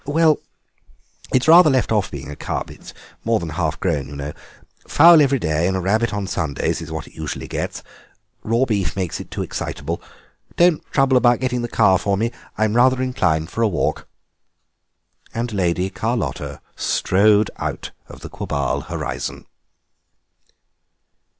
"Well, it's rather left off being a cub; it's more than half grown, you know. A fowl every day and a rabbit on Sundays is what it usually gets. Raw beef makes it too excitable. Don't trouble about getting the car for me, I'm rather inclined for a walk." And Lady Carlotta strode out of the Quabarl horizon.